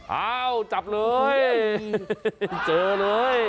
อ้าวจับเลยเจอเลย